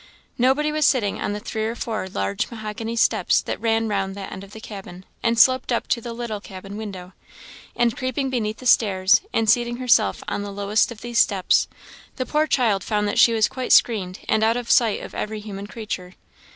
Nobody was sitting on the three or four large mahogany steps that ran round that end of the cabin, and sloped up to the little cabin window: and creeping beneath the stairs, and seating herself on the lowest of these steps, the poor child found that she was quite screened, and out of sight of every human creature.